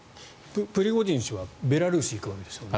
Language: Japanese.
プリゴジン氏はベラルーシに行くわけですよね。